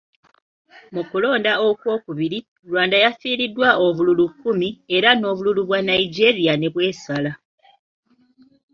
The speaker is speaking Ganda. Mu kulonda okwokubiri, Rwanda yafiiriddwa obululu kkumi era n'obululu bwa Nigeria ne bwesala.